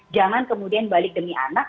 jangan kemudian balik demi anak